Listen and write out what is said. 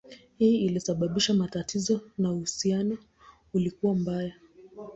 Hii ilisababisha matatizo na uhusiano ulikuwa mbaya.